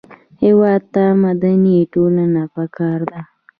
هېواد ته مدني ټولنه پکار ده